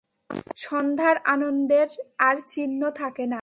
সন্ধ্যার আনন্দের আর চিহ্ন থাকে না।